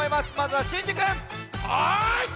はい！